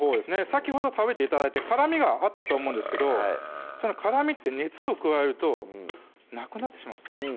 先ほど食べて頂いて辛みがあったと思うんですけど辛みって熱を加えるとなくなってしまうんですね